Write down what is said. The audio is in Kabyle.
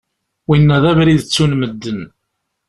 Winna d abrid ttun medden.